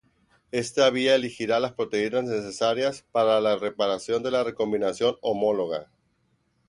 Esta vía elegirá las proteínas necesarias para la reparación de la recombinación homóloga.